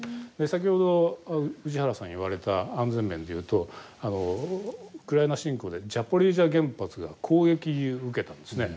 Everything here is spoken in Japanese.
先ほど宇治原さん言われた安全面で言うとウクライナ侵攻でザポリージャ原発が攻撃受けたんですね。